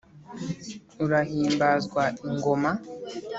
urahimbazwa ingoma.